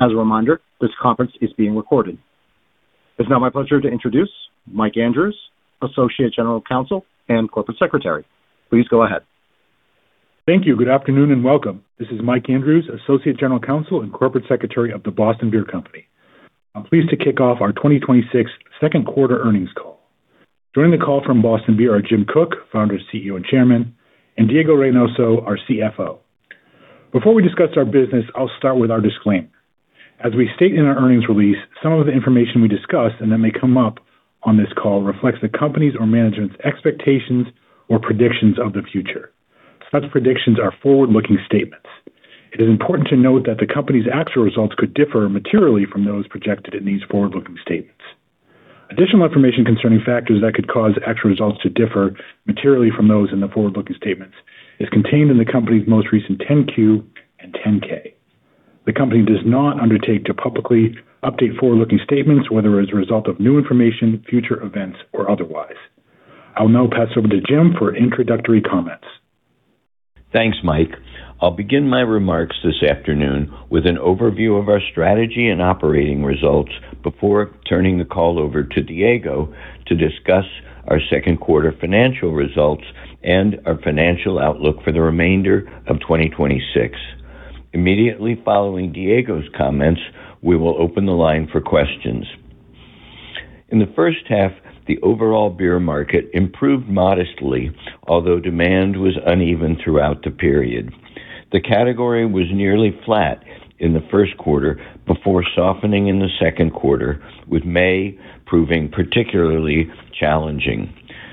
As a reminder, this conference is being recorded. It's now my pleasure to introduce Mike Andrews, Associate General Counsel and Corporate Secretary. Please go ahead. Thank you. Good afternoon and welcome. This is Mike Andrews, Associate General Counsel and Corporate Secretary of The Boston Beer Company. I'm pleased to kick off our 2026 second quarter earnings call. Joining the call from Boston Beer are Jim Koch, Founder, CEO, and Chairman, and Diego Reynoso, our CFO. Before we discuss our business, I'll start with our disclaimer. As we state in our earnings release, some of the information we discuss and that may come up on this call reflects the company's or management's expectations or predictions of the future. Such predictions are forward-looking statements. It is important to note that the company's actual results could differ materially from those projected in these forward-looking statements. Additional information concerning factors that could cause actual results to differ materially from those in the forward-looking statements is contained in the company's most recent 10-Q and 10-K. The company does not undertake to publicly update forward-looking statements, whether as a result of new information, future events, or otherwise. I'll now pass over to Jim for introductory comments. Thanks, Mike. I'll begin my remarks this afternoon with an overview of our strategy and operating results before turning the call over to Diego to discuss our second quarter financial results and our financial outlook for the remainder of 2026. Immediately following Diego's comments, we will open the line for questions. In the H1, the overall beer market improved modestly, although demand was uneven throughout the period. The category was nearly flat in the first quarter before softening in the second quarter, with May proving particularly challenging.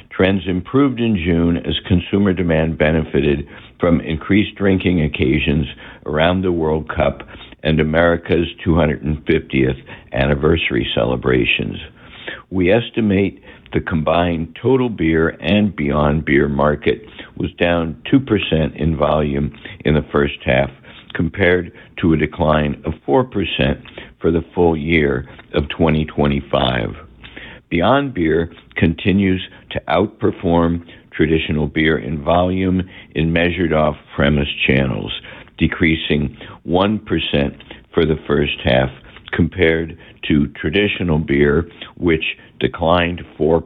Trends improved in June as consumer demand benefited from increased drinking occasions around the World Cup and America's 250th anniversary celebrations. We estimate the combined total beer and beyond beer market was down 2% in volume in the H1, compared to a decline of 4% for the full year of 2025. Beyond beer continues to outperform traditional beer in volume in measured off-premise channels, decreasing 1% for the H1, compared to traditional beer, which declined 4%.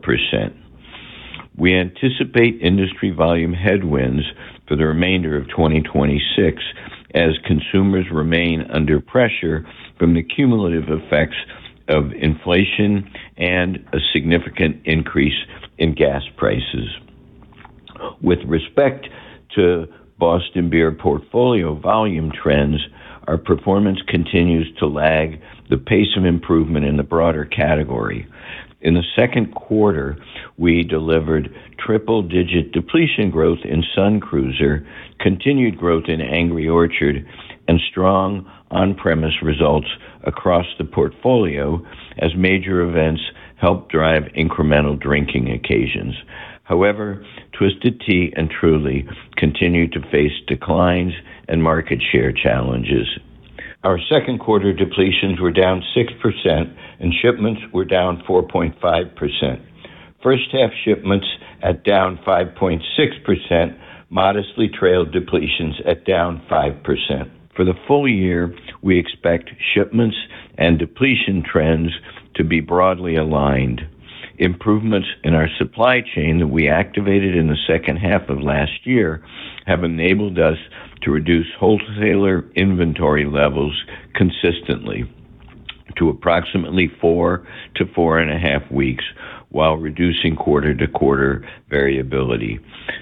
We anticipate industry volume headwinds for the remainder of 2026 as consumers remain under pressure from the cumulative effects of inflation and a significant increase in gas prices. With respect to Boston Beer portfolio volume trends, our performance continues to lag the pace of improvement in the broader category. In the second quarter, we delivered triple-digit depletion growth in Sun Cruiser, continued growth in Angry Orchard, and strong on-premise results across the portfolio as major events helped drive incremental drinking occasions. However, Twisted Tea and Truly continued to face declines and market share challenges. Our second quarter depletions were down 6%, and shipments were down 4.5%. H1 shipments, at down 5.6%, modestly trailed depletions at down 5%. For the full year, we expect shipments and depletion trends to be broadly aligned. Improvements in our supply chain that we activated in the H2 of last year have enabled us to reduce wholesaler inventory levels consistently to approximately four to four and a half weeks while reducing quarter-to-quarter variability.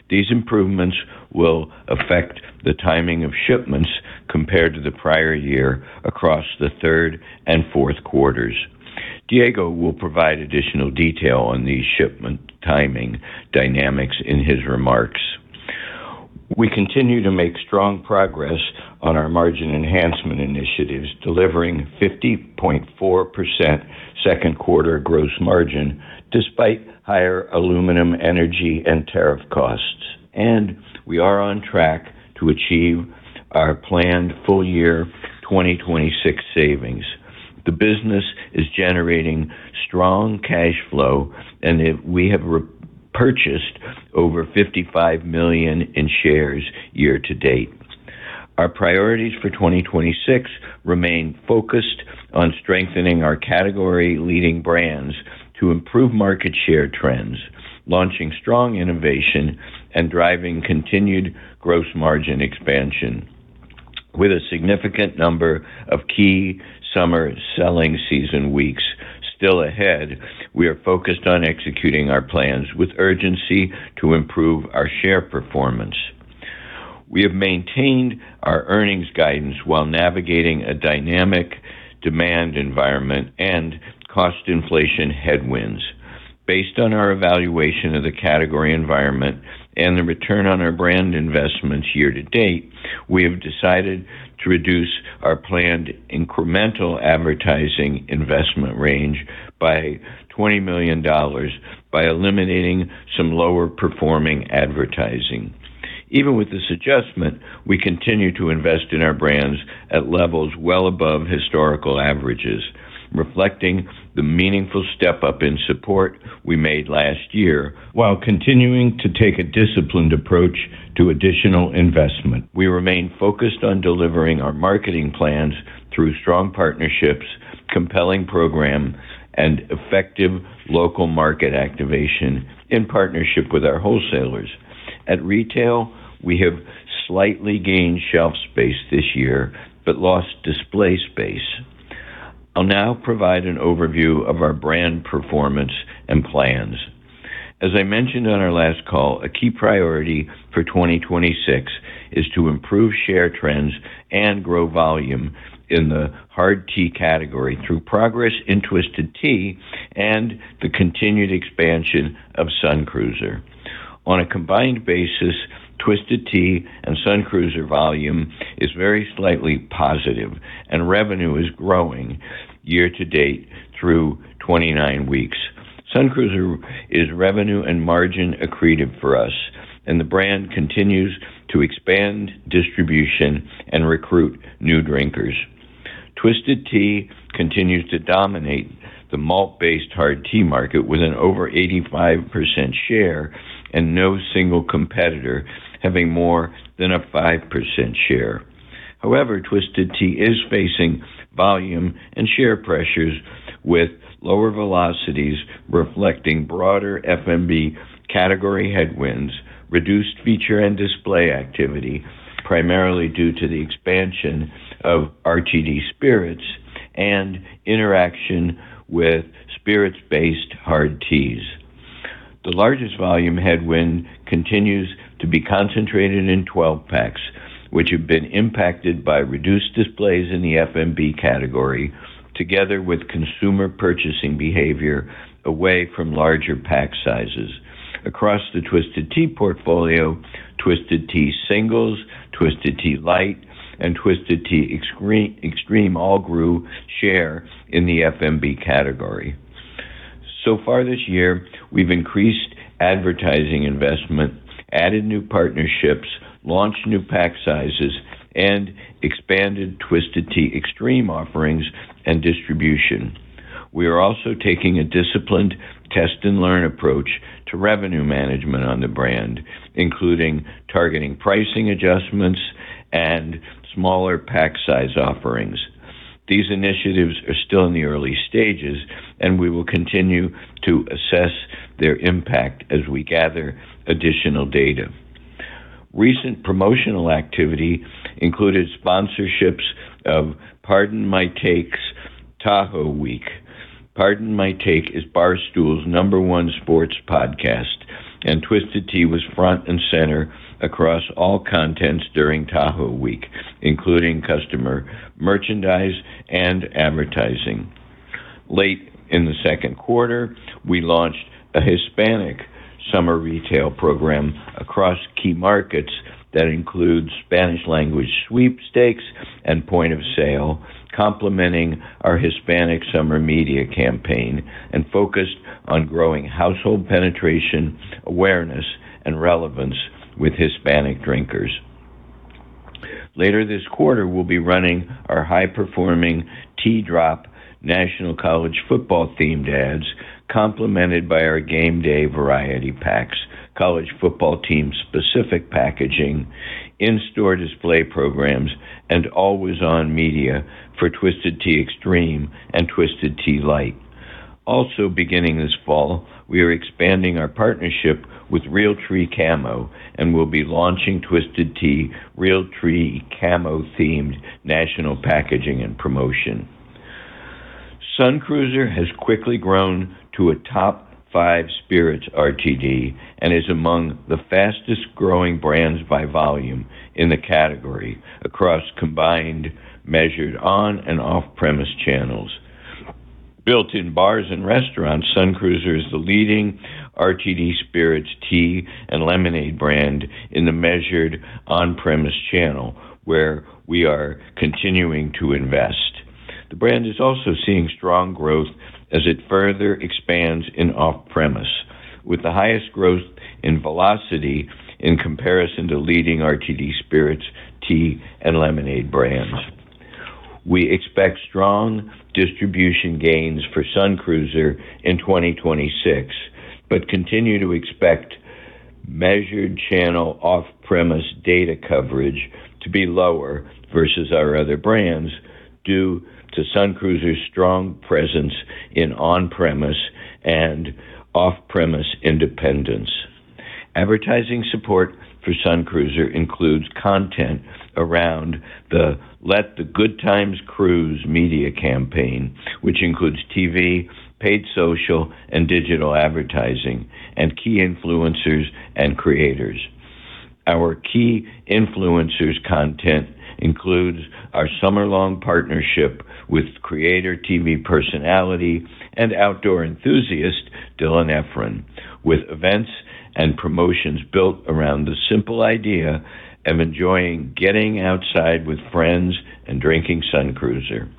These improvements will affect the timing of shipments compared to the prior year across the third and fourth quarters. Diego will provide additional detail on these shipment timing dynamics in his remarks. We continue to make strong progress on our margin enhancement initiatives, delivering 50.4% second quarter gross margin despite higher aluminum energy and tariff costs, and we are on track to achieve our planned full year 2026 savings. The business is generating strong cash flow, and we have repurchased over $55 million in shares year-to-date. Our priorities for 2026 remain focused on strengthening our category leading brands to improve market share trends, launching strong innovation, and driving continued gross margin expansion. With a significant number of key summer selling season weeks still ahead, we are focused on executing our plans with urgency to improve our share performance. We have maintained our earnings guidance while navigating a dynamic demand environment and cost inflation headwinds. Based on our evaluation of the category environment and the return on our brand investments year-to-date, we have decided to reduce our planned incremental advertising investment range by $20 million by eliminating some lower performing advertising. Even with this adjustment, we continue to invest in our brands at levels well above historical averages, reflecting the meaningful step-up in support we made last year while continuing to take a disciplined approach to additional investment. We remain focused on delivering our marketing plans through strong partnerships compelling program and effective local market activation in partnership with our wholesalers. At retail, we have slightly gained shelf space this year, but lost display space. I'll now provide an overview of our brand performance and plans. As I mentioned on our last call, a key priority for 2026 is to improve share trends and grow volume in the hard tea category through progress in Twisted Tea and the continued expansion of Sun Cruiser. On a combined basis, Twisted Tea and Sun Cruiser volume is very slightly positive, and revenue is growing year-to-date through 29 weeks. Sun Cruiser is revenue and margin accretive for us, and the brand continues to expand distribution and recruit new drinkers. Twisted Tea continues to dominate the malt-based hard tea market with an over 85% share and no single competitor having more than a 5% share. Twisted Tea is facing volume and share pressures with lower velocities reflecting broader FMB category headwinds, reduced feature and display activity, primarily due to the expansion of RTD spirits, and interaction with spirits-based hard teas. The largest volume headwind continues to be concentrated in 12-packs, which have been impacted by reduced displays in the FMB category, together with consumer purchasing behavior away from larger pack sizes. Across the Twisted Tea portfolio, Twisted Tea Singles, Twisted Tea Light, and Twisted Tea Extreme all grew share in the FMB category. Far this year, we've increased advertising investment, added new partnerships, launched new pack sizes, and expanded Twisted Tea Extreme offerings and distribution. We are also taking a disciplined test-and-learn approach to revenue management on the brand, including targeting pricing adjustments and smaller pack size offerings. These initiatives are still in the early stages. We will continue to assess their impact as we gather additional data. Recent promotional activity included sponsorships of "Pardon My Take's" Tahoe Week. "Pardon My Take" is Barstool's number one sports podcast. Twisted Tea was front and center across all content during Tahoe Week, including customer merchandise and advertising. Late in the second quarter, we launched a Hispanic summer retail program across key markets that include Spanish language sweepstakes and point of sale, complementing our Hispanic summer media campaign and focused on growing household penetration, awareness, and relevance with Hispanic drinkers. Later this quarter, we'll be running our high performing T Drop national college football themed ads, complemented by our game day variety packs, college football team specific packaging, in-store display programs, and always-on media for Twisted Tea Extreme and Twisted Tea Light. Beginning this fall, we are expanding our partnership with Realtree Camo. We'll be launching Twisted Tea Realtree Camo themed national packaging and promotion. Sun Cruiser has quickly grown to a top 5 spirits RTD and is among the fastest growing brands by volume in the category across combined measured on and off-premise channels. Built in bars and restaurants, Sun Cruiser is the leading RTD spirits tea and lemonade brand in the measured on-premise channel, where we are continuing to invest. The brand is also seeing strong growth as it further expands in off-premise, with the highest growth in velocity in comparison to leading RTD spirits tea and lemonade brands. We expect strong distribution gains for Sun Cruiser in 2026. We continue to expect measured channel off-premise data coverage to be lower versus our other brands due to Sun Cruiser's strong presence in on-premise and off-premise independence. Advertising support for Sun Cruiser includes content around the Let the Good Times Cruise media campaign, which includes TV, paid social and digital advertising, and key influencers and creators. Our key influencers content includes our summer long partnership with creator, TV personality, and outdoor enthusiast Dylan Efron, with events and promotions built around the simple idea of enjoying getting outside with friends and drinking Sun Cruiser.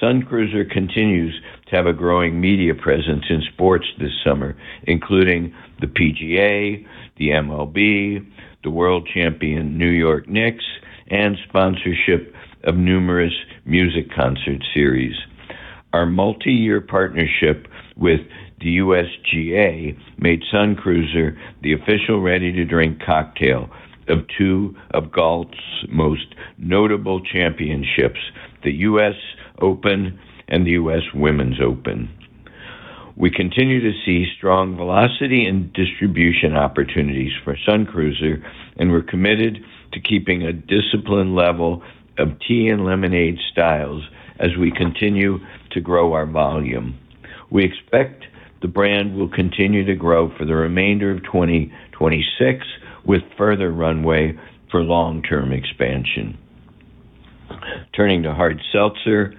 Sun Cruiser continues to have a growing media presence in sports this summer, including the PGA, the MLB, the world champion New York Knicks, and sponsorship of numerous music concert series. Our multi-year partnership with the USGA made Sun Cruiser the official ready-to-drink cocktail of two of golf's most notable championships, the U.S. Open and the U.S. Women's Open. We continue to see strong velocity and distribution opportunities for Sun Cruiser, and we're committed to keeping a disciplined level of tea and lemonade styles as we continue to grow our volume. We expect the brand will continue to grow for the remainder of 2026, with further runway for long-term expansion. Turning to hard seltzer,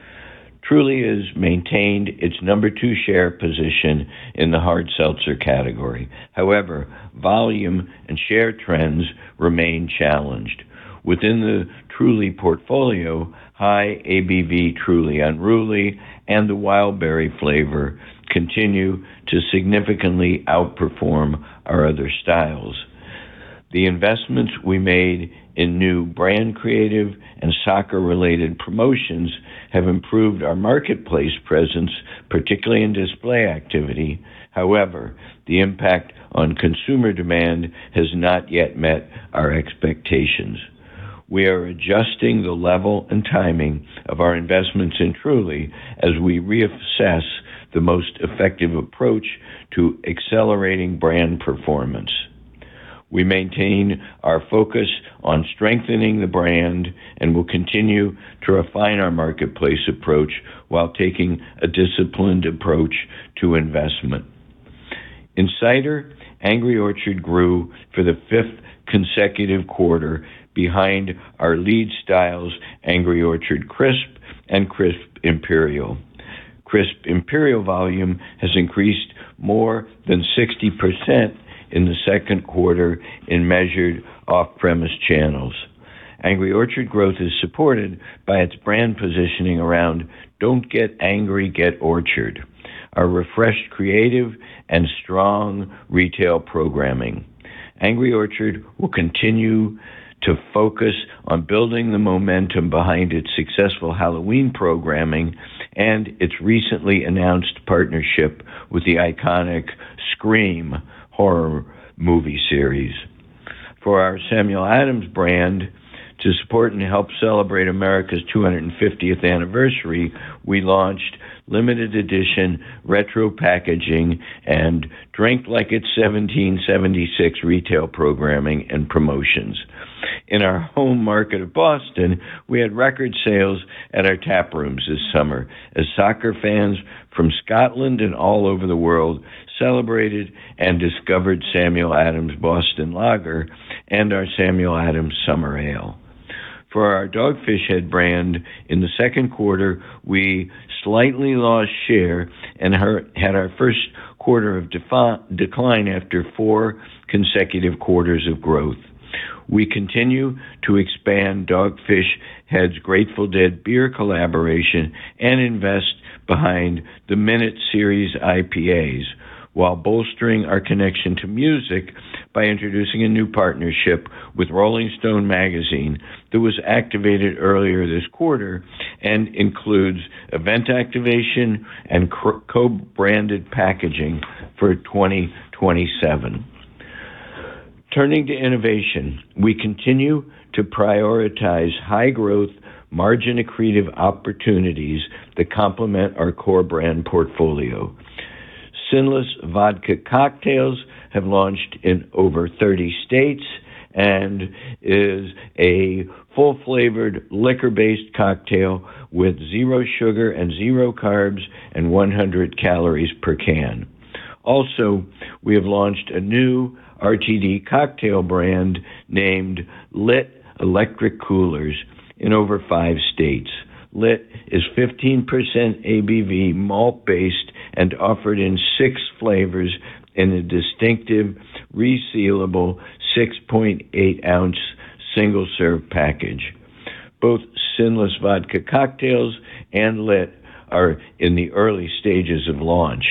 Truly has maintained its number two share position in the hard seltzer category. However, volume and share trends remain challenged. Within the Truly portfolio, high ABV Truly Unruly and the Wild Berry flavor continue to significantly outperform our other styles. The investments we made in new brand creative and soccer-related promotions have improved our marketplace presence, particularly in display activity. However, the impact on consumer demand has not yet met our expectations. We are adjusting the level and timing of our investments in Truly as we reassess the most effective approach to accelerating brand performance. We maintain our focus on strengthening the brand and will continue to refine our marketplace approach while taking a disciplined approach to investment. In cider, Angry Orchard grew for the fifth consecutive quarter behind our lead styles, Angry Orchard Crisp and Crisp Imperial. Crisp Imperial volume has increased more than 60% in the second quarter in measured off-premise channels. Angry Orchard growth is supported by its brand positioning around "Don't get angry, get Orchard," our refreshed creative, and strong retail programming. Angry Orchard will continue to focus on building the momentum behind its successful Halloween programming and its recently announced partnership with the iconic "Scream" horror movie series. For our Samuel Adams brand, to support and help celebrate America's 250th anniversary, we launched limited edition retro packaging and Drink Like It's 1776 retail programming and promotions. In our home market of Boston, we had record sales at our taprooms this summer as soccer fans from Scotland and all over the world celebrated and discovered Samuel Adams Boston Lager and our Samuel Adams Summer Ale. For our Dogfish Head brand, in the second quarter, we slightly lost share and had our first quarter of decline after four consecutive quarters of growth. We continue to expand Dogfish Head's Grateful Dead Beer collaboration and invest behind the Minute series IPAs while bolstering our connection to music by introducing a new partnership with Rolling Stone magazine that was activated earlier this quarter and includes event activation and co-branded packaging for 2027. Turning to innovation, we continue to prioritize high-growth, margin-accretive opportunities that complement our core brand portfolio. Sinless Vodka Cocktails have launched in over 30 states and is a full-flavored, liquor-based cocktail with zero sugar and zero carbs and 100 calories per can. Also, we have launched a new RTD cocktail brand named Lit Electric Coolers in over five states. Lit is 15% ABV, malt-based, and offered in six flavors in a distinctive, resealable 6.8-ounce single-serve package. Both Sinless Vodka Cocktails and Lit are in the early stages of launch.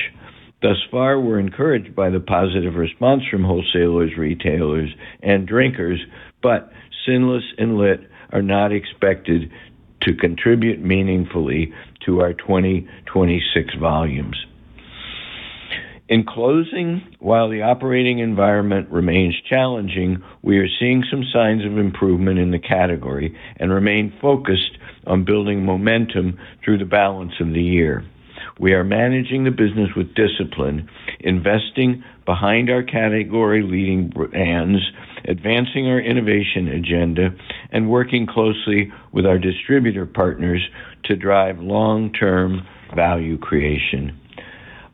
Thus far, we're encouraged by the positive response from wholesalers, retailers, and drinkers, but Sinless and Lit are not expected to contribute meaningfully to our 2026 volumes. In closing, while the operating environment remains challenging, we are seeing some signs of improvement in the category and remain focused on building momentum through the balance in the year. We are managing the business with discipline, investing behind our category-leading brands, advancing our innovation agenda, and working closely with our distributor partners to drive long-term value creation.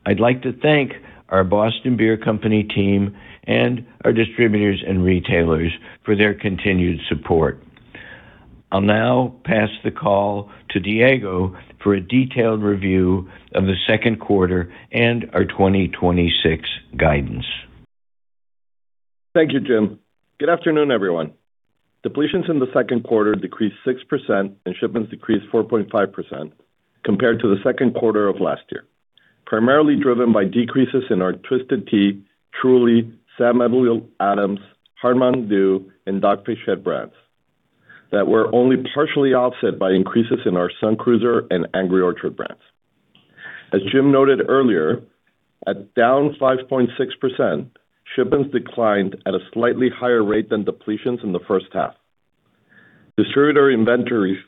I'd like to thank our Boston Beer Company team and our distributors and retailers for their continued support. I'll now pass the call to Diego for a detailed review of the second quarter and our 2026 guidance. Thank you, Jim. Good afternoon, everyone. Depletions in the second quarter decreased 6% and shipments decreased 4.5% compared to the second quarter of last year, primarily driven by decreases in our Twisted Tea, Truly, Samuel Adams, Hard MTN DEW, and Dogfish Head brands that were only partially offset by increases in our Sun Cruiser and Angry Orchard brands. As Jim noted earlier, at down 5.6%, shipments declined at a slightly higher rate than depletions in the H1. Distributor inventory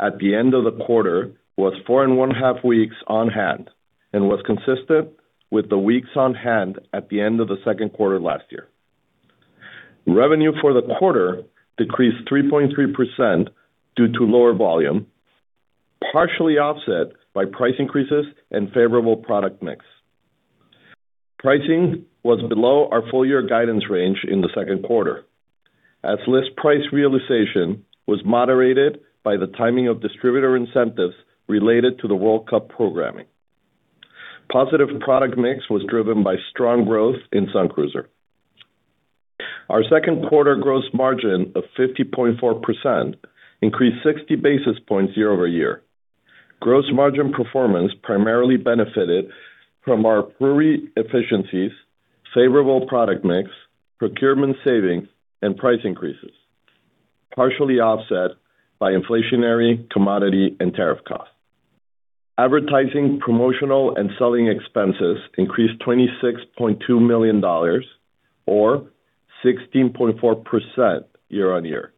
at the end of the quarter was four and one half weeks on hand and was consistent with the weeks on hand at the end of the second quarter last year. Revenue for the quarter decreased 3.3% due to lower volume, partially offset by price increases and favorable product mix. Pricing was below our full year guidance range in the second quarter, as list price realization was moderated by the timing of distributor incentives related to the World Cup programming. Positive product mix was driven by strong growth in Sun Cruiser. Our second quarter gross margin of 50.4% increased 60 basis points year-over-year. Gross margin performance primarily benefited from our brewery efficiencies, favorable product mix, procurement savings, and price increases, partially offset by inflationary commodity and tariff costs. Advertising, Promotional, and Selling expenses increased $26.2 million or 16.4% year-on-year,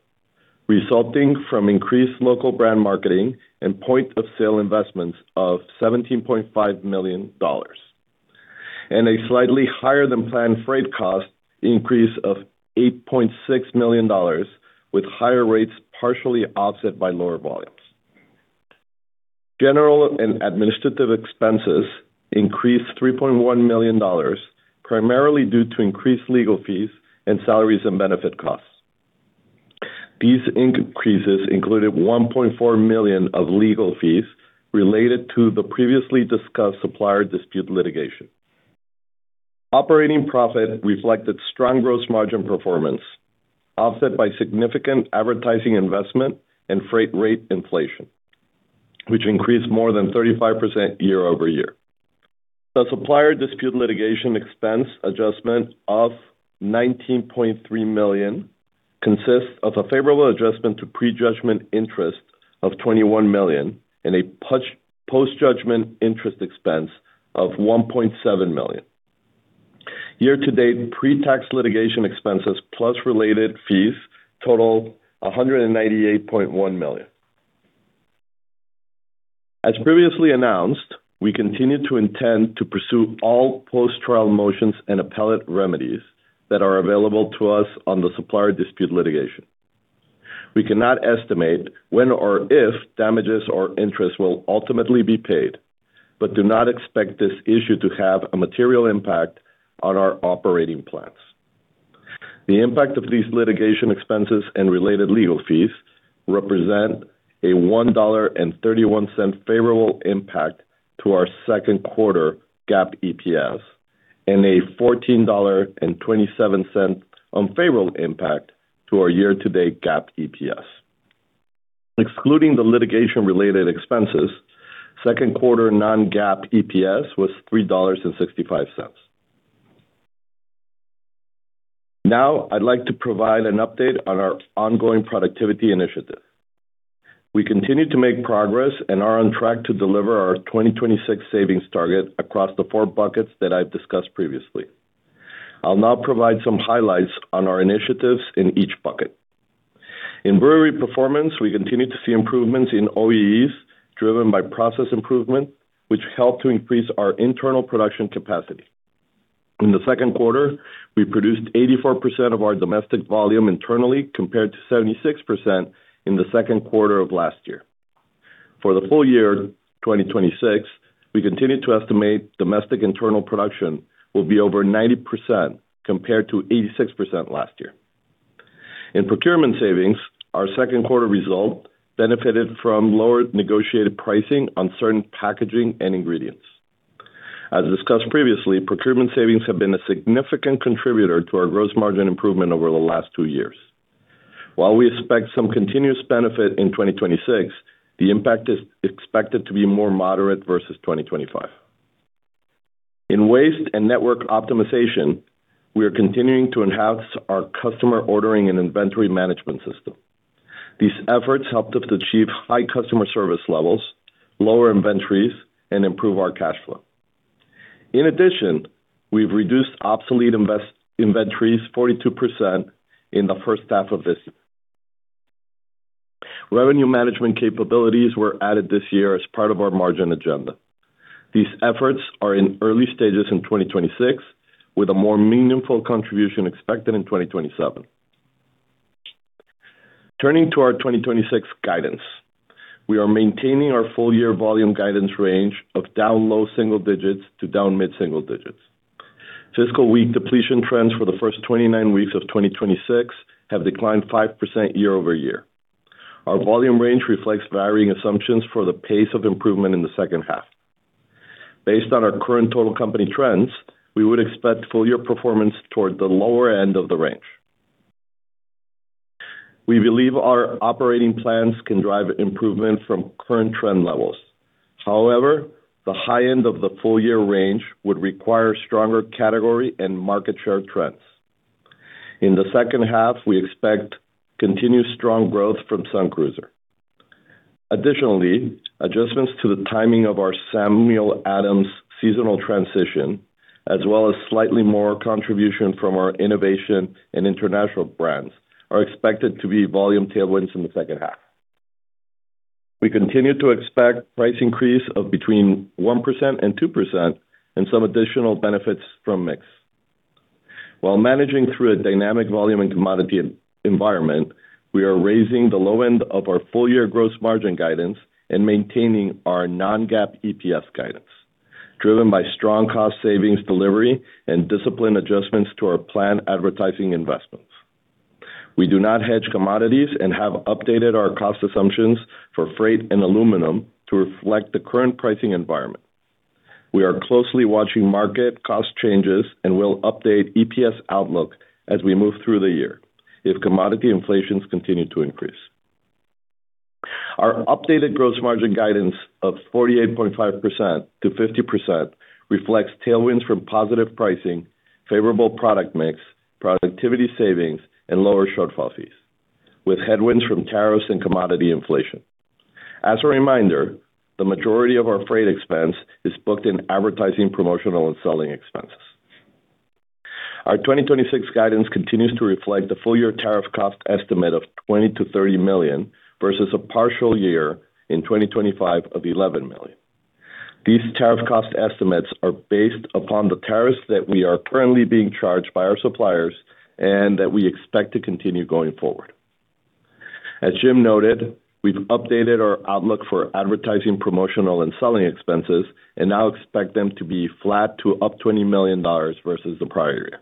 resulting from increased local brand marketing and point of sale investments of $17.5 million, and a slightly higher than planned freight cost increase of $8.6 million, with higher rates partially offset by lower volumes. General and administrative expenses increased $3.1 million, primarily due to increased legal fees and salaries and benefit costs. These increases included $1.4 million of legal fees related to the previously discussed supplier dispute litigation. Operating profit reflected strong gross margin performance, offset by significant advertising investment and freight rate inflation, which increased more than 35% year-over-year. The supplier dispute litigation expense adjustment of $19.3 million consists of a favorable adjustment to prejudgment interest of $21 million and a post-judgment interest expense of $1.7 million. Year-to-date, pre-tax litigation expenses plus related fees total $198.1 million. As previously announced, we continue to intend to pursue all post-trial motions and appellate remedies that are available to us on the supplier dispute litigation. We cannot estimate when or if damages or interest will ultimately be paid, but do not expect this issue to have a material impact on our operating plans. The impact of these litigation expenses and related legal fees represent a $1.31 favorable impact to our second quarter GAAP EPS and a $14.27 unfavorable impact to our year-to-date GAAP EPS. Excluding the litigation related expenses, second quarter non-GAAP EPS was $3.65. I'd like to provide an update on our ongoing productivity initiative. We continue to make progress and are on track to deliver our 2026 savings target across the four buckets that I've discussed previously. I'll now provide some highlights on our initiatives in each bucket. In brewery performance, we continue to see improvements in OEE driven by process improvement, which help to increase our internal production capacity. In the second quarter, we produced 84% of our domestic volume internally, compared to 76% in the second quarter of last year. For the full year 2026, we continue to estimate domestic internal production will be over 90%, compared to 86% last year. In procurement savings, our second quarter result benefited from lower negotiated pricing on certain packaging and ingredients. As discussed previously, procurement savings have been a significant contributor to our gross margin improvement over the last two years. While we expect some continuous benefit in 2026, the impact is expected to be more moderate versus 2025. In waste and network optimization, we are continuing to enhance our customer ordering and inventory management system. These efforts helped us achieve high customer service levels, lower inventories, and improve our cash flow. We've reduced obsolete inventories 42% in the H1 of this year. Revenue management capabilities were added this year as part of our margin agenda. These efforts are in early stages in 2026, with a more meaningful contribution expected in 2027. Our 2026 guidance, we are maintaining our full year volume guidance range of down low single digits to down mid-single digits. Fiscal week depletion trends for the first 29 weeks of 2026 have declined 5% year-over-year. Our volume range reflects varying assumptions for the pace of improvement in the H2. Based on our current total company trends, we would expect full year performance toward the lower end of the range. We believe our operating plans can drive improvement from current trend levels. The high end of the full-year range would require stronger category and market share trends. In the H2, we expect continued strong growth from Sun Cruiser. Adjustments to the timing of our Samuel Adams seasonal transition, as well as slightly more contribution from our innovation and international brands, are expected to be volume tailwinds in the H2. We continue to expect price increase of between 1% and 2%, and some additional benefits from mix. While managing through a dynamic volume and commodity environment, we are raising the low end of our full-year gross margin guidance and maintaining our non-GAAP EPS guidance, driven by strong cost savings delivery and disciplined adjustments to our planned advertising investments. We do not hedge commodities and have updated our cost assumptions for freight and aluminum to reflect the current pricing environment. We are closely watching market cost changes and will update EPS outlook as we move through the year if commodity inflations continue to increase. Our updated gross margin guidance of 48.5%-50% reflects tailwinds from positive pricing, favorable product mix, productivity savings, and lower shortfall fees, with headwinds from tariffs and commodity inflation. As a reminder, the majority of our freight expense is booked in advertising, promotional, and selling expenses. Our 2026 guidance continues to reflect the full-year tariff cost estimate of $20 million-$30 million versus a partial year in 2025 of $11 million. These tariff cost estimates are based upon the tariffs that we are currently being charged by our suppliers and that we expect to continue going forward. As Jim noted, we've updated our outlook for advertising, promotional, and selling expenses and now expect them to be flat to up $20 million versus the prior year,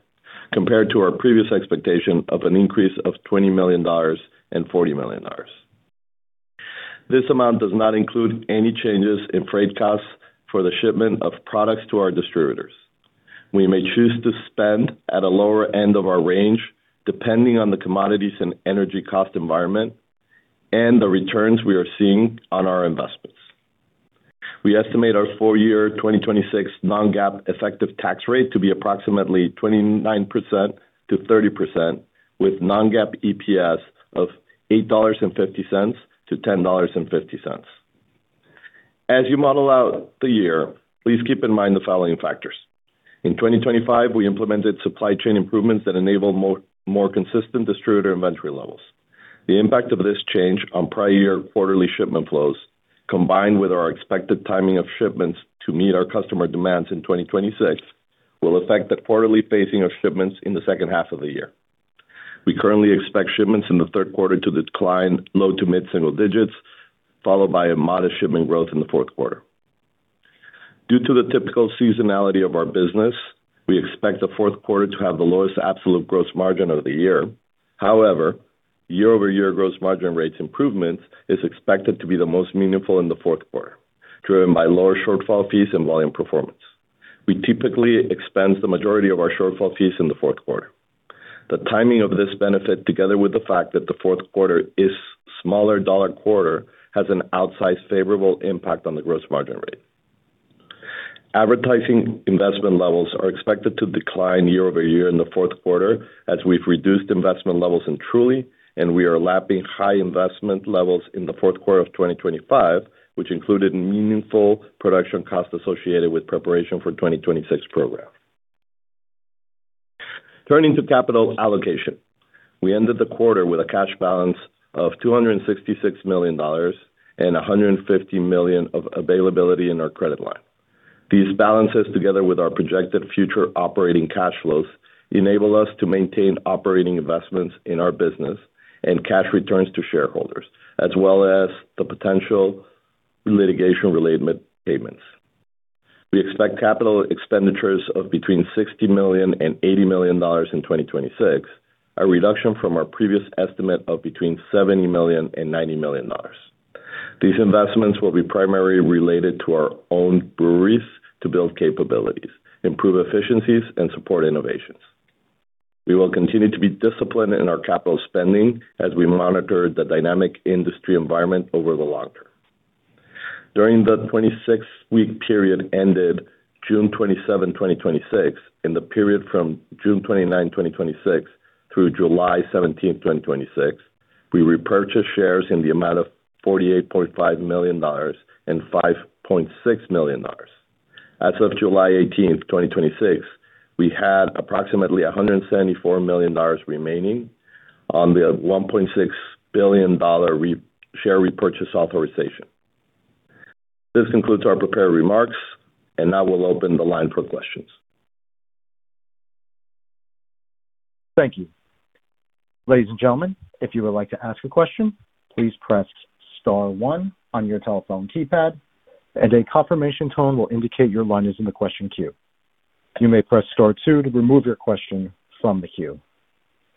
compared to our previous expectation of an increase of $20 million and $40 million. This amount does not include any changes in freight costs for the shipment of products to our distributors. We may choose to spend at a lower end of our range, depending on the commodities and energy cost environment and the returns we are seeing on our investments. We estimate our full-year 2026 non-GAAP effective tax rate to be approximately 29%-30%, with non-GAAP EPS of $8.50-$10.50. As you model out the year, please keep in mind the following factors. In 2025, we implemented supply chain improvements that enabled more consistent distributor inventory levels. The impact of this change on prior year quarterly shipment flows, combined with our expected timing of shipments to meet our customer demands in 2026, will affect the quarterly pacing of shipments in the H2 of the year. We currently expect shipments in the third quarter to decline low to mid-single digits, followed by a modest shipment growth in the fourth quarter. Due to the typical seasonality of our business, we expect the fourth quarter to have the lowest absolute gross margin of the year. However, year-over-year gross margin rates improvements is expected to be the most meaningful in the fourth quarter, driven by lower shortfall fees and volume performance. We typically expense the majority of our shortfall fees in the fourth quarter. The timing of this benefit, together with the fact that the fourth quarter is a smaller dollar quarter, has an outsized favorable impact on the gross margin rate. Advertising investment levels are expected to decline year-over-year in the fourth quarter as we've reduced investment levels in Truly, and we are lapping high investment levels in the fourth quarter of 2025, which included meaningful production costs associated with preparation for 2026 programs. Turning to capital allocation. We ended the quarter with a cash balance of $266 million and $150 million of availability in our credit line. These balances, together with our projected future operating cash flows, enable us to maintain operating investments in our business and cash returns to shareholders, as well as the potential litigation-related payments. We expect capital expenditures of between $60 million and $80 million in 2026, a reduction from our previous estimate of between $70 million and $90 million. These investments will be primarily related to our own breweries to build capabilities, improve efficiencies, and support innovations. We will continue to be disciplined in our capital spending as we monitor the dynamic industry environment over the long term. During the 26-week period ended June 27, 2026, and the period from June 29, 2026 through July 17, 2026, we repurchased shares in the amount of $48.5 million and $5.6 million. As of July 18, 2026, we had approximately $174 million remaining on the $1.6 billion share repurchase authorization. This concludes our prepared remarks. Now we'll open the line for questions. Thank you. Ladies and gentlemen, if you would like to ask a question, please press star one on your telephone keypad and a confirmation tone will indicate your line is in the question queue. You may press star two to remove your question from the queue.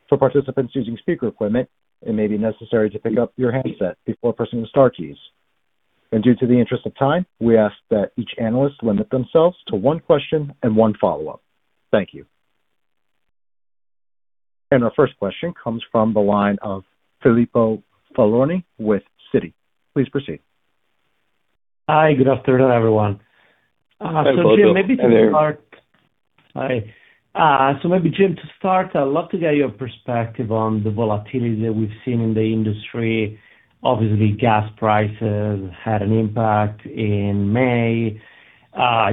For participants using speaker equipment, it may be necessary to pick up your headset before pressing the star keys. Due to the interest of time, we ask that each analyst limit themselves to one question and one follow-up. Thank you. Our first question comes from the line of Filippo Falorni with Citi. Please proceed. Hi. Good afternoon, everyone. Hi, Filippo. Hey there. Maybe Jim, to start, I'd love to get your perspective on the volatility that we've seen in the industry. Obviously, gas prices had an impact in May.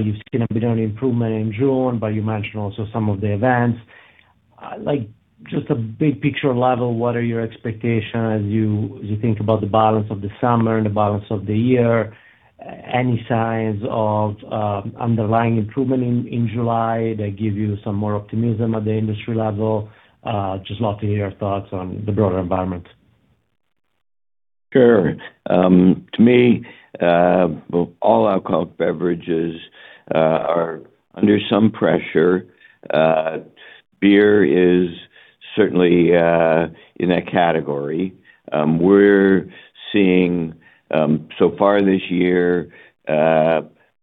You've seen a bit of improvement in June, you mentioned also some of the events. Just a big picture level, what are your expectations as you think about the balance of the summer and the balance of the year? Any signs of underlying improvement in July that give you some more optimism at the industry level? Just love to hear your thoughts on the broader environment. Sure. To me, all alcoholic beverages are under some pressure. Beer is certainly in that category. We're seeing, so far this year,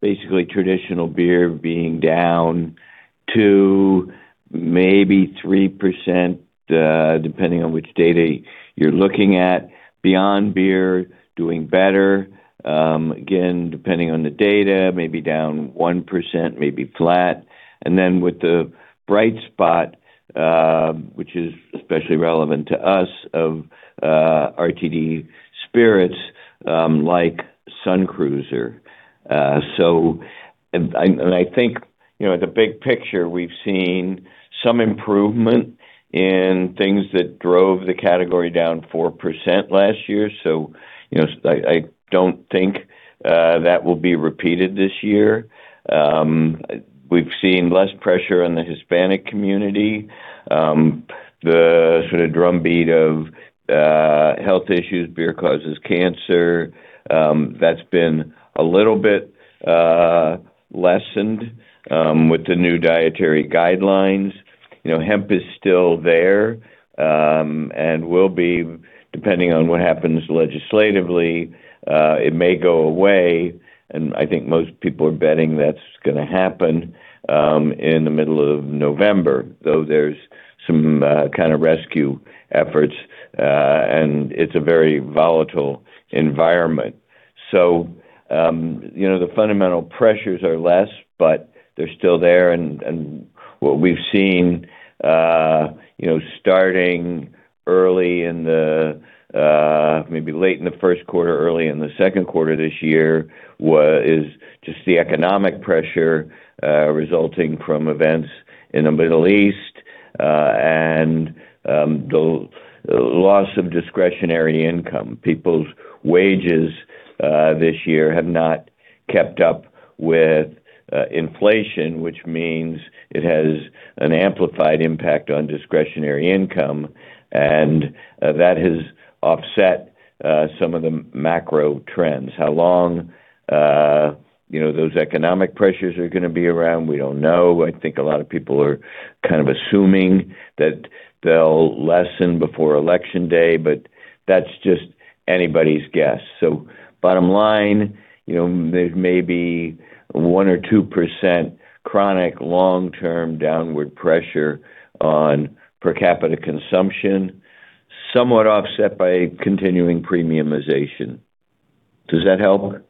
basically traditional beer being down 2%, maybe 3%, depending on which data you're looking at. Beyond beer, doing better. Again, depending on the data, maybe down 1%, maybe flat. With the bright spot, which is especially relevant to us, of RTD spirits, like Sun Cruiser. I think, the big picture, we've seen some improvement in things that drove the category down 4% last year. I don't think that will be repeated this year. We've seen less pressure on the Hispanic community. The sort of drumbeat of health issues, beer causes cancer, that's been a little bit lessened with the new dietary guidelines. Hemp is still there, and will be, depending on what happens legislatively, it may go away, and I think most people are betting that's going to happen in the middle of November, though there's some kind of rescue efforts. It's a very volatile environment. The fundamental pressures are less, they're still there and what we've seen, starting early in the, maybe late in the first quarter, early in the second quarter this year, is just the economic pressure resulting from events in the Middle East, and the loss of discretionary income. People's wages this year have not kept up with inflation, which means it has an amplified impact on discretionary income, and that has offset some of the macro trends. How long those economic pressures are going to be around, we don't know. I think a lot of people are kind of assuming that they'll lessen before election day, that's just anybody's guess. Bottom line, there may be 1% or 2% chronic long-term downward pressure on per capita consumption, somewhat offset by continuing premiumization. Does that help?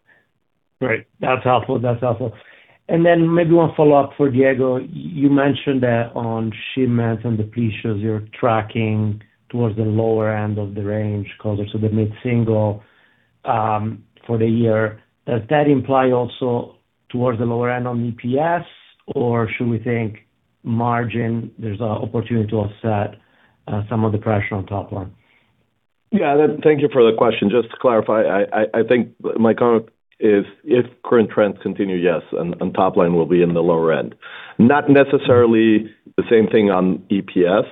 Great. That's helpful. Then maybe one follow-up for Diego. You mentioned that on shipments and depletions, you're tracking towards the lower end of the range calls, so the mid-single for the year. Does that imply also towards the lower end on EPS, or should we think margin, there's an opportunity to offset some of the pressure on top line? Yeah. Thank you for the question. Just to clarify, I think my comment is, if current trends continue, yes, on top line we'll be in the lower end. Not necessarily the same thing on EPS.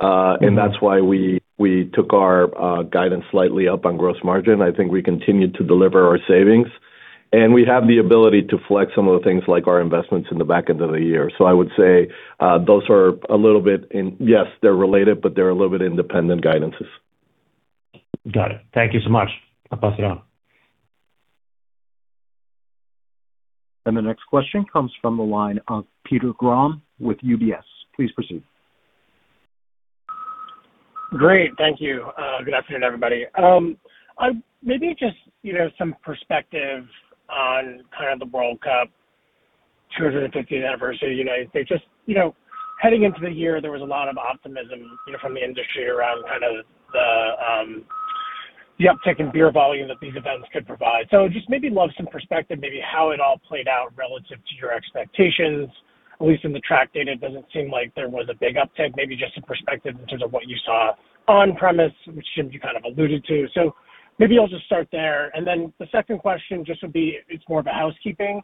That's why we took our guidance slightly up on gross margin. I think we continued to deliver our savings. We have the ability to flex some of the things like our investments in the back end of the year. I would say, those are a little bit in, yes, they're related, but they're a little bit independent guidances. Got it. Thank you so much. I'll pass it on. The next question comes from the line of Peter Grom with UBS. Please proceed. Great. Thank you. Good afternoon, everybody. Maybe just some perspective on kind of the World Cup 250th Anniversary United States. Heading into the year, there was a lot of optimism from the industry around the uptick in beer volume that these events could provide. Just maybe love some perspective, maybe how it all played out relative to your expectations. At least in the track data, it doesn't seem like there was a big uptick. Maybe just some perspective in terms of what you saw on premise, which Jim you kind of alluded to. Maybe I'll just start there. The second question just would be, it's more of a housekeeping,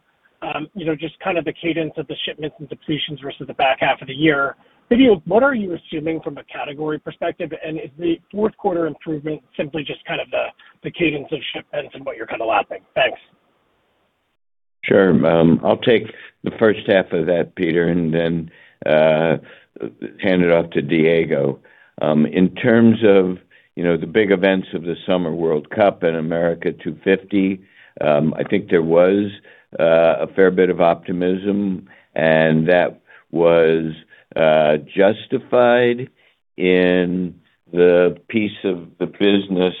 just kind of the cadence of the shipments and depletions versus the back half of the year. Maybe what are you assuming from a category perspective, and is the fourth quarter improvement simply just kind of the cadence of shipments and what you're kind of lapping? Thanks. Sure. I'll take the first half of that, Peter, and then hand it off to Diego. In terms of the big events of the Summer World Cup and America 250, I think there was a fair bit of optimism, and that was justified in the piece of the business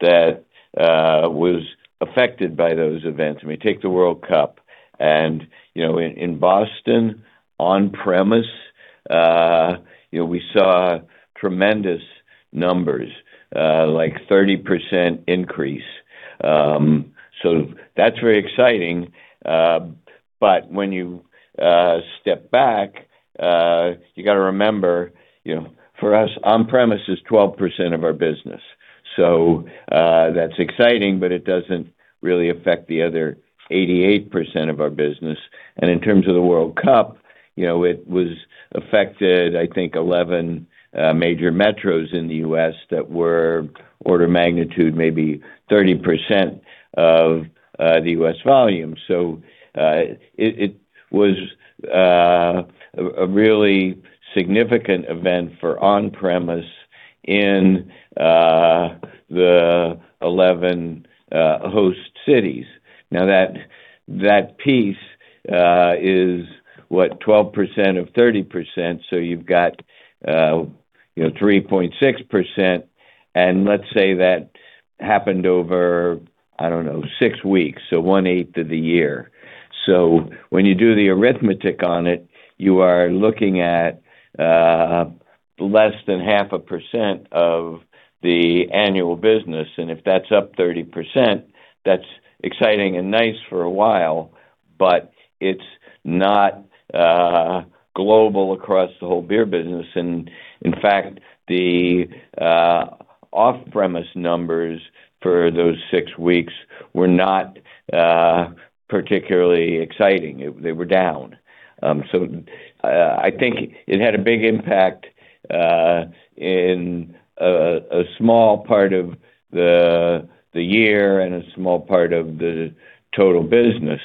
that was affected by those events. I mean, take the World Cup and in Boston, on-premise, we saw tremendous numbers, like 30% increase. That's very exciting. When you step back, you got to remember, for us, on-premise is 12% of our business. That's exciting, but it doesn't really affect the other 88% of our business. In terms of the World Cup, it was affected, I think, 11 major metros in the U.S. that were order magnitude maybe 30% of the U.S. volume. It was a really significant event for on-premise in the 11 host cities. That piece is, what, 12% of 30%, so you've got 3.6%, and let's say that happened over, I don't know, six weeks, so 1/8 of the year. When you do the arithmetic on it, you are looking at less than half a percent of the annual business, and if that's up 30%, that's exciting and nice for a while, but it's not global across the whole beer business. In fact, the off-premise numbers for those six weeks were not particularly exciting. They were down. I think it had a big impact in a small part of the year and a small part of the total business.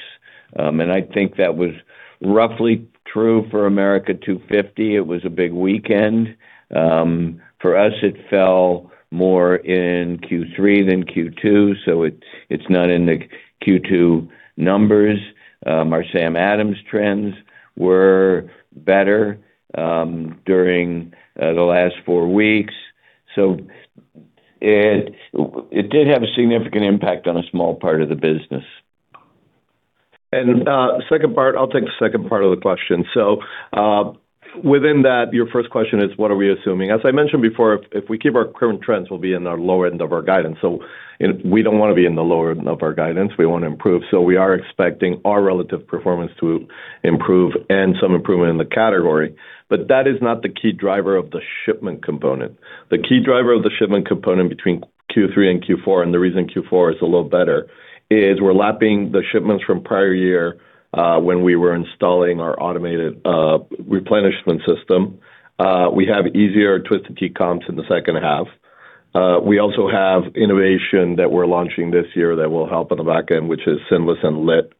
I think that was roughly true for America 250. It was a big weekend. For us, it fell more in Q3 than Q2, so it's not in the Q2 numbers. Our Samuel Adams trends were better during the last four weeks. It did have a significant impact on a small part of the business. Second part, I'll take the second part of the question. Within that, your first question is what are we assuming? As I mentioned before, if we keep our current trends, we'll be in our lower end of our guidance. We don't want to be in the lower end of our guidance. We want to improve, we are expecting our relative performance to improve and some improvement in the category. That is not the key driver of the shipment component. The key driver of the shipment component between Q3 and Q4, and the reason Q4 is a little better, is we're lapping the shipments from prior year, when we were installing our automated replenishment system. We have easier Twisted Tea comps in the H2. We also have innovation that we're launching this year that will help on the back end, which is Sinless and Lit,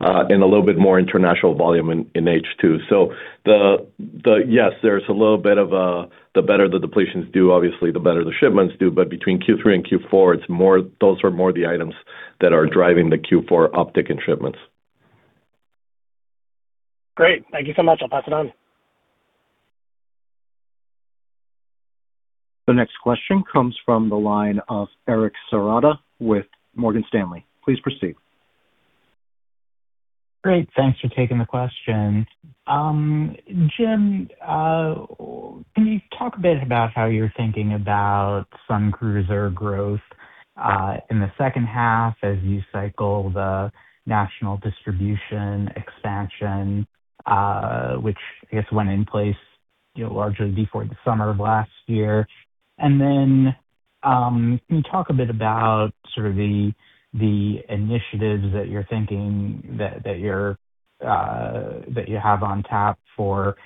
and a little bit more international volume in H2. Yes, there's a little bit of a, the better the depletions do, obviously, the better the shipments do. Between Q3 and Q4, those are more the items that are driving the Q4 uptick in shipments. Great. Thank you so much. I'll pass it on. The next question comes from the line of Eric Serotta with Morgan Stanley. Please proceed. Great, thanks for taking the question. Jim, can you talk a bit about how you're thinking about Sun Cruiser growth in the H2 as you cycle the national distribution expansion, which I guess went in place largely before the summer of last year? Then, can you talk a bit about sort of the initiatives that you're thinking that you have on tap for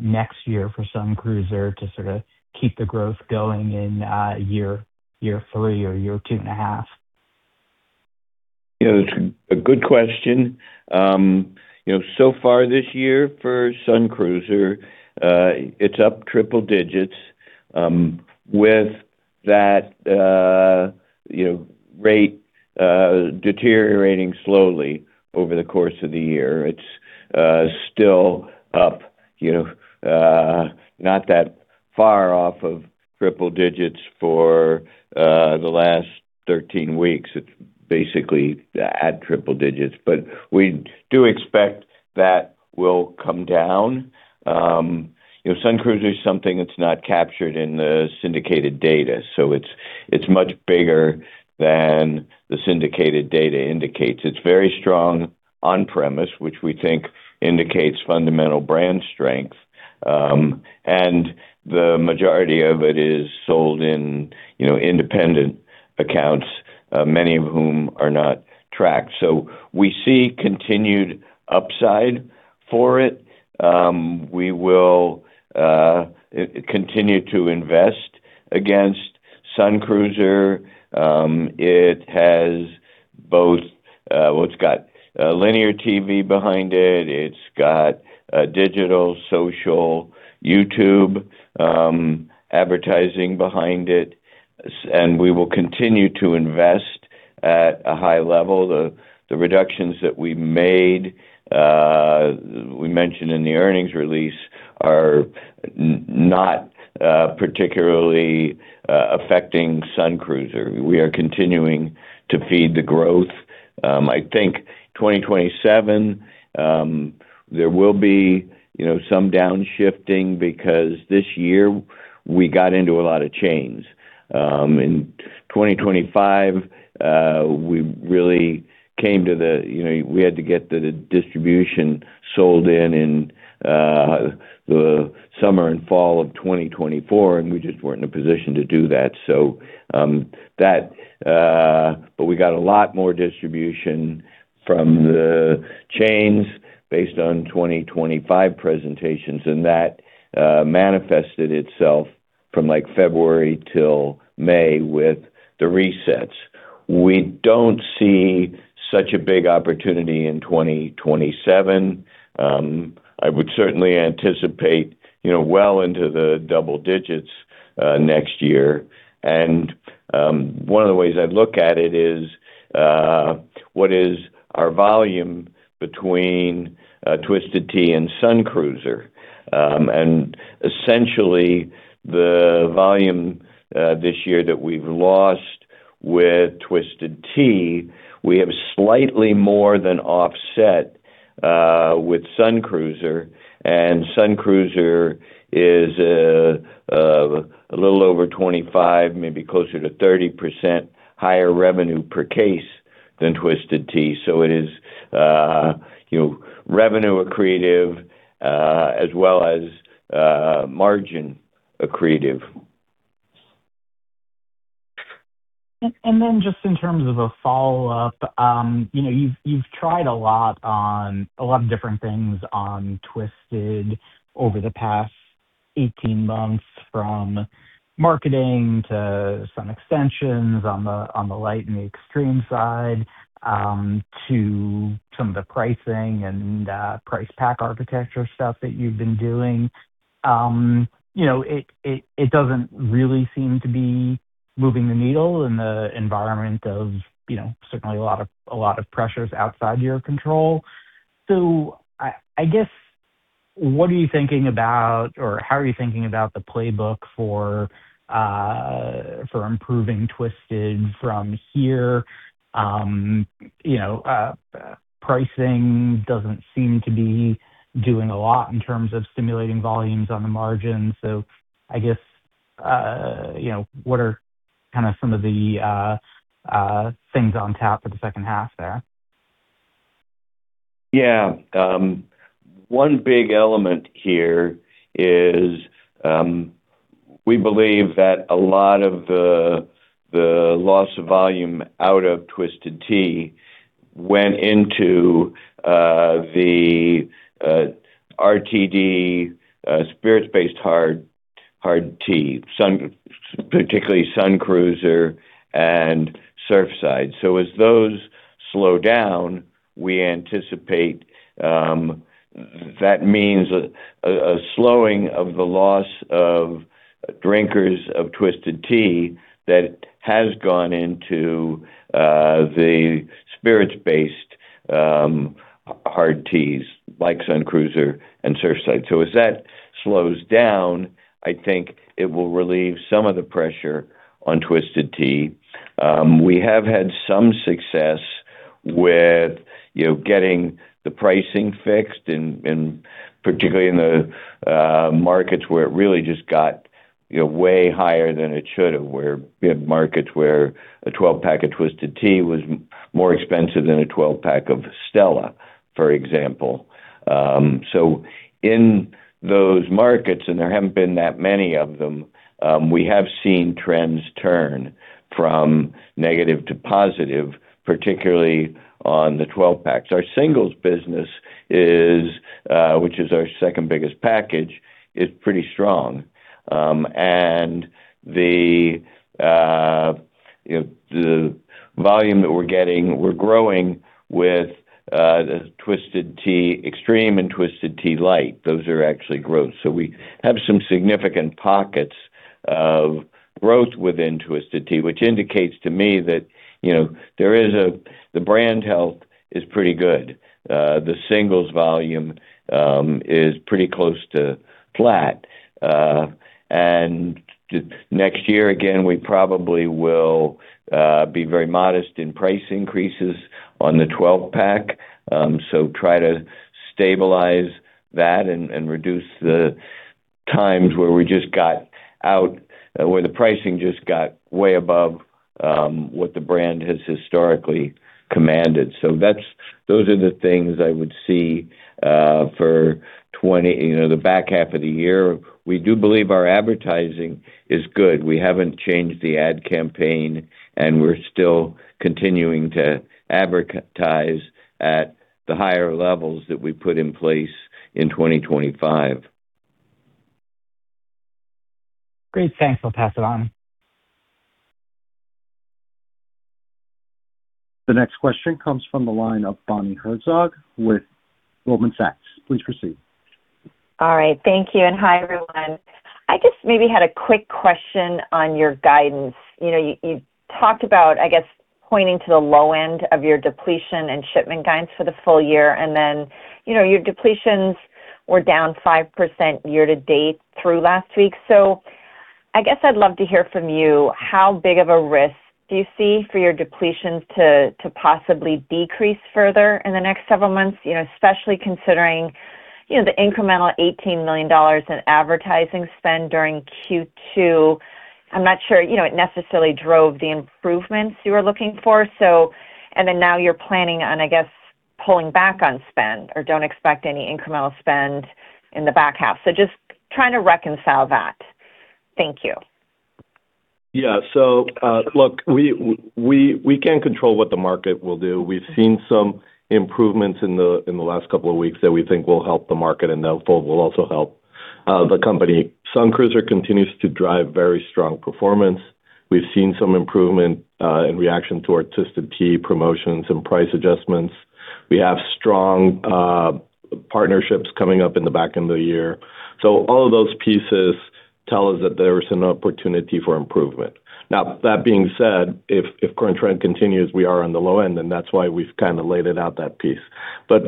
next year for Sun Cruiser to sort of keep the growth going in Year 3 or Year 2.5? It's a good question. Far this year for Sun Cruiser, it's up triple digits, with that rate deteriorating slowly over the course of the year. It's still up, not that far off of triple digits for the last 13 weeks. It's basically at triple digits. We do expect that will come down. Sun Cruiser is something that's not captured in the syndicated data, it's much bigger than the syndicated data indicates. It's very strong on-premise, which we think indicates fundamental brand strength. The majority of it is sold in independent accounts, many of whom are not tracked. We see continued upside for it. We will continue to invest against Sun Cruiser. It's got linear TV behind it. It's got digital, social, YouTube advertising behind it, we will continue to invest at a high level. The reductions that we made, we mentioned in the earnings release, are not particularly affecting Sun Cruiser. We are continuing to feed the growth. I think 2027, there will be some downshifting because this year we got into a lot of chains. In 2025, we had to get the distribution sold in the summer and fall of 2024, and we just weren't in a position to do that. We got a lot more distribution from the chains based on 2025 presentations, and that manifested itself from February till May with the resets. We don't see such a big opportunity in 2027. I would certainly anticipate well into the double digits next year. One of the ways I'd look at it is, what is our volume between Twisted Tea and Sun Cruiser? Essentially, the volume this year that we've lost with Twisted Tea, we have slightly more than offset with Sun Cruiser. Sun Cruiser is a little over 25, maybe closer to 30% higher revenue per case than Twisted Tea. It is revenue accretive, as well as margin accretive. Just in terms of a follow-up, you've tried a lot of different things on Twisted over the past 18 months, from marketing to some extensions on the Light and the Extreme side, to some of the pricing and price pack architecture stuff that you've been doing. It doesn't really seem to be moving the needle in the environment of certainly a lot of pressures outside your control. I guess, what are you thinking about, or how are you thinking about the playbook for improving Twisted from here? Pricing doesn't seem to be doing a lot in terms of stimulating volumes on the margin. I guess, what are some of the things on tap for the H2 there? Yeah. One big element here is, we believe that a lot of the loss of volume out of Twisted Tea went into the RTD, spirits-based hard tea, particularly Sun Cruiser and Surfside. As those slow down, we anticipate that means a slowing of the loss of drinkers of Twisted Tea that has gone into the spirits-based hard teas like Sun Cruiser and Surfside. As that slows down, I think it will relieve some of the pressure on Twisted Tea. We have had some success with getting the pricing fixed, and particularly in the markets where it really just got way higher than it should have, where we had markets where a 12-pack of Twisted Tea was more expensive than a 12-pack of Stella. In those markets, and there haven't been that many of them, we have seen trends turn from negative to positive, particularly on the 12-packs. Our singles business, which is our second biggest package, is pretty strong. The volume that we're getting, we're growing with Twisted Tea Extreme and Twisted Tea Light. Those are actually growth. We have some significant pockets of growth within Twisted Tea, which indicates to me that the brand health is pretty good. The singles volume is pretty close to flat. Next year, again, we probably will be very modest in price increases on the 12-pack. Try to stabilize that and reduce the times where the pricing just got way above what the brand has historically commanded. Those are the things I would see for the back half of the year. We do believe our advertising is good. We haven't changed the ad campaign, and we're still continuing to advertise at the higher levels that we put in place in 2025. Great. Thanks, Jim. The next question comes from the line of Bonnie Herzog with Goldman Sachs. Please proceed. All right. Thank you, and hi, everyone. I just maybe had a quick question on your guidance. You talked about, I guess, pointing to the low end of your depletion and shipment guidance for the full year, your depletions were down 5% year-to-date through last week. I guess I'd love to hear from you how big of a risk do you see for your depletions to possibly decrease further in the next several months, especially considering the incremental $18 million in advertising spend during Q2? I'm not sure it necessarily drove the improvements you were looking for. Now you're planning on, I guess, pulling back on spend or don't expect any incremental spend in the back half. Just trying to reconcile that. Thank you. Yeah. Look, we can't control what the market will do. We've seen some improvements in the last couple of weeks that we think will help the market and therefore will also help the company. Sun Cruiser continues to drive very strong performance. We've seen some improvement in reaction to our Twisted Tea promotions and price adjustments. We have strong partnerships coming up in the back end of the year. All of those pieces tell us that there is an opportunity for improvement. Now, that being said, if current trend continues, we are on the low end, and that's why we've kind of laid out that piece.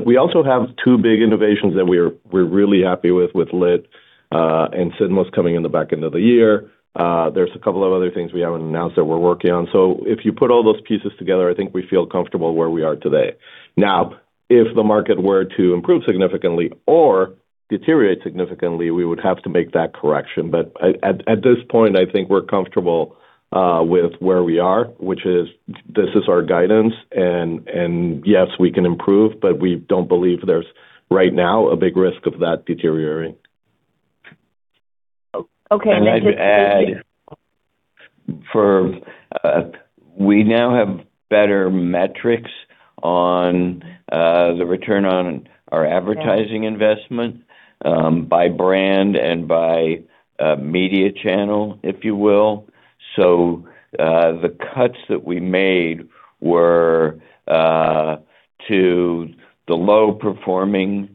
We also have two big innovations that we're really happy with Lit and Sinless coming in the back end of the year. There's a couple of other things we haven't announced that we're working on. If you put all those pieces together, I think we feel comfortable where we are today. Now, if the market were to improve significantly or deteriorate significantly, we would have to make that correction. At this point, I think we're comfortable with where we are, which is this is our guidance, and yes, we can improve, but we don't believe there's right now a big risk of that deteriorating. Okay. I'd add, we now have better metrics on the return on our advertising investment by brand and by media channel, if you will. The cuts that we made were to the low-performing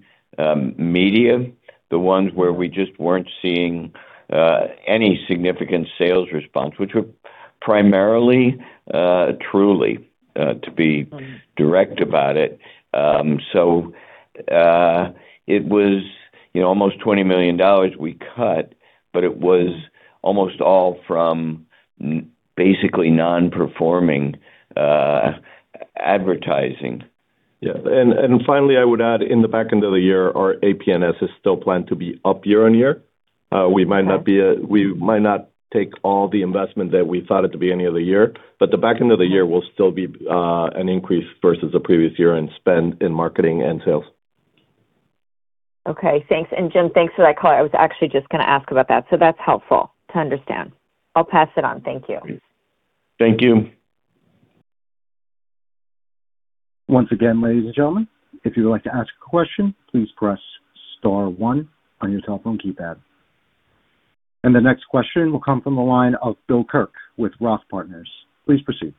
media, the ones where we just weren't seeing any significant sales response, which were primarily, Truly, to be direct about it. It was almost $20 million we cut, but it was almost all from basically non-performing advertising. Yeah. Finally, I would add, in the back end of the year, our AP&S is still planned to be up year-on-year. We might not take all the investment that we thought it to be any other year, the back end of the year will still be an increase versus the previous year in spend in marketing and sales. Okay. Thanks. Jim, thanks for that color. I was actually just going to ask about that's helpful to understand. I'll pass it on. Thank you. Thank you. Once again, ladies and gentlemen, if you would like to ask a question, please press star one on your telephone keypad. The next question will come from the line of Bill Kirk with ROTH Partners. Please proceed.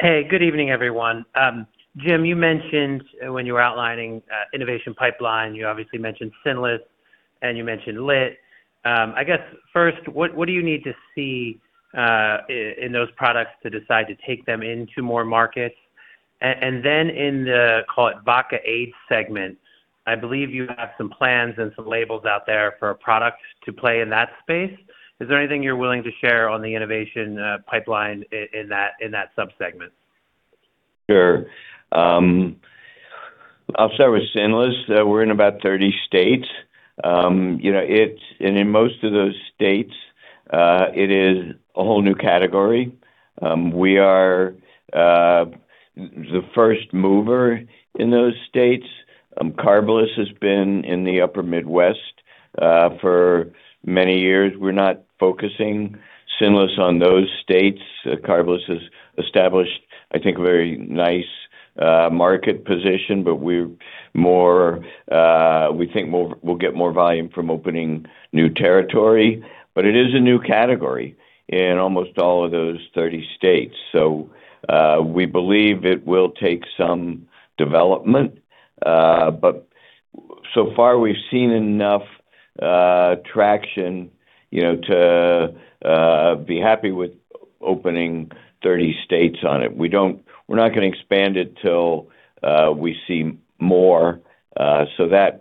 Hey, good evening, everyone. Jim, you mentioned when you were outlining innovation pipeline, you obviously mentioned Sinless and you mentioned Lit. I guess first, what do you need to see in those products to decide to take them into more markets? Then in the, call it vodka-ade segment, I believe you have some plans and some labels out there for a product to play in that space. Is there anything you're willing to share on the innovation pipeline in that sub-segment? Sure. I'll start with Sinless. We're in about 30 states. In most of those states, it is a whole new category. We are the first mover in those states. Carbliss has been in the upper Midwest for many years. We're not focusing Sinless on those states. Carbliss has established, I think, a very nice market position, but we think we'll get more volume from opening new territory. It is a new category in almost all of those 30 states. We believe it will take some development. So far, we've seen enough traction to be happy with opening 30 states on it. We're not going to expand it till we see more. That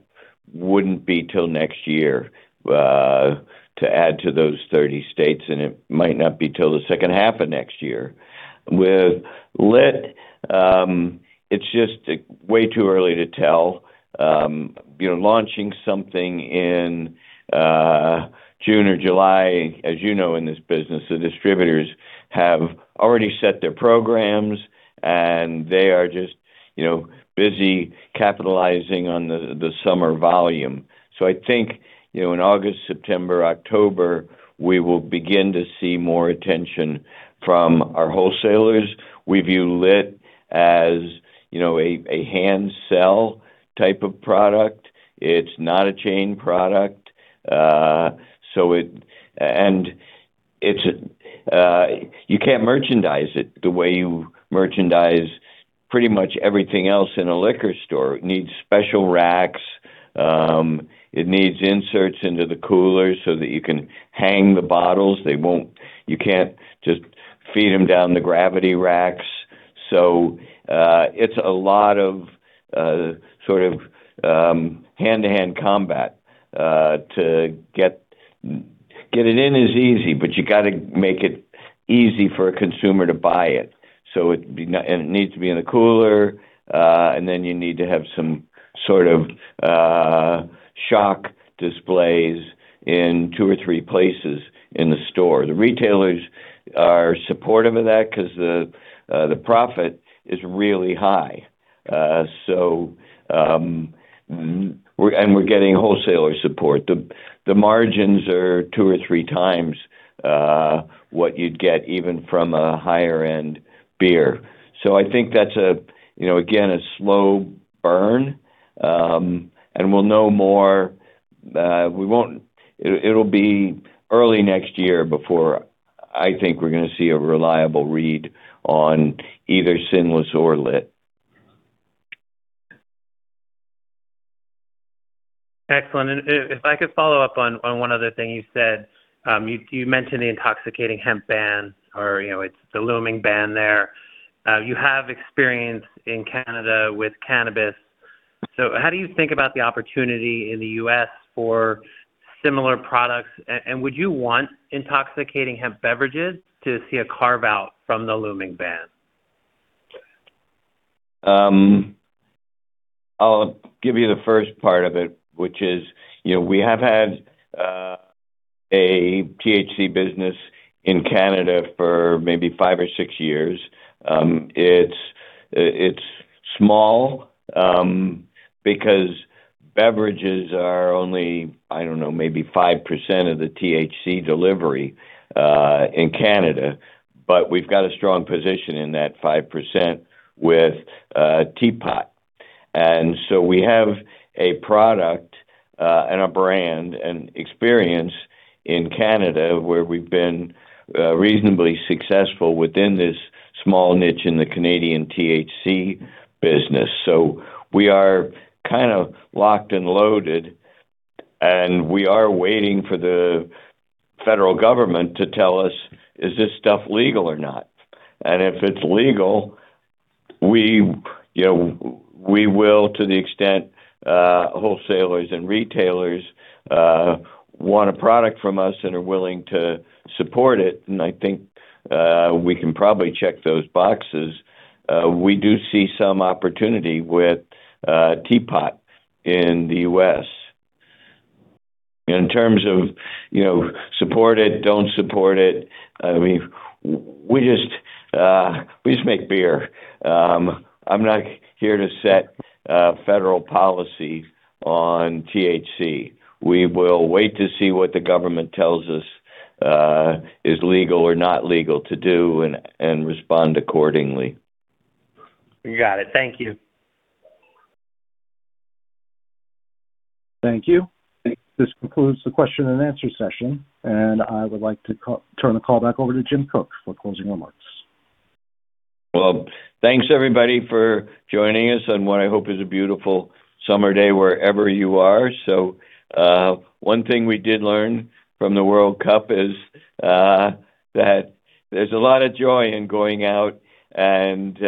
wouldn't be till next year to add to those 30 states, and it might not be till the H2 of next year. With Lit, it's just way too early to tell. Launching something in June or July, as you know in this business, the distributors have already set their programs, they are just busy capitalizing on the summer volume. I think in August, September, October, we will begin to see more attention from our wholesalers. We view Lit as a hand sell type of product. It's not a chain product. You can't merchandise it the way you merchandise pretty much everything else in a liquor store. It needs special racks. It needs inserts into the cooler so that you can hang the bottles. You can't just feed them down the gravity racks. It's a lot of hand-to-hand combat to get it in is easy, but you got to make it easy for a consumer to buy it. It needs to be in a cooler, then you need to have some sort of shock displays in two or three places in the store. The retailers are supportive of that because the profit is really high. We're getting wholesaler support. The margins are two or three times what you'd get even from a higher end beer. I think that's, again, a slow burn. We'll know more It'll be early next year before I think we're going to see a reliable read on either Sinless or Lit. Excellent. If I could follow up on one other thing you said. You mentioned the intoxicating hemp ban or it's the looming ban there. You have experience in Canada with cannabis. How do you think about the opportunity in the U.S. for similar products, and would you want intoxicating hemp beverages to see a carve out from the looming ban? I'll give you the first part of it, which is, we have had a THC business in Canada for maybe five or six years. It's small, because beverages are only, I don't know, maybe 5% of the THC delivery, in Canada. We've got a strong position in that 5% with TeaPot. We have a product, and a brand, and experience in Canada where we've been reasonably successful within this small niche in the Canadian THC business. We are kind of locked and loaded, and we are waiting for the federal government to tell us, is this stuff legal or not? If it's legal, we will, to the extent wholesalers and retailers want a product from us and are willing to support it, and I think we can probably check those boxes. We do see some opportunity with TeaPot in the U.S. In terms of support it, don't support it, we just make beer. I'm not here to set federal policy on THC. We will wait to see what the government tells us is legal or not legal to do and respond accordingly. You got it. Thank you. Thank you. This concludes the question and answer session, and I would like to turn the call back over to Jim Koch for closing remarks. Well, thanks everybody for joining us on what I hope is a beautiful summer day wherever you are. One thing we did learn from the World Cup is that there's a lot of joy in going out and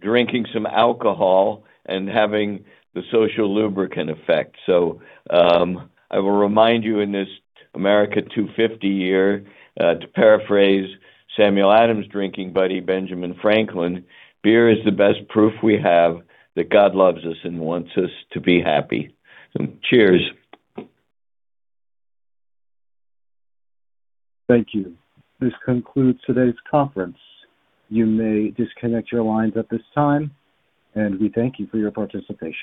drinking some alcohol and having the social lubricant effect. I will remind you in this America 250 year, to paraphrase Samuel Adams' drinking buddy, Benjamin Franklin, "Beer is the best proof we have that God loves us and wants us to be happy." Cheers. Thank you. This concludes today's conference. You may disconnect your lines at this time, and we thank you for your participation.